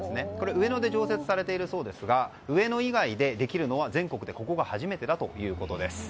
上野で常設されているそうですが上野以外でできるのは全国でここが初めてだということです。